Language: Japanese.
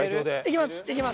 行きます。